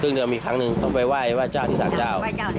ครึ่งเดือนอีกครั้งนึงต้องไปแหว่งไหว้ลาดิสัรเจ้า